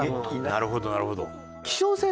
なるほどなるほど。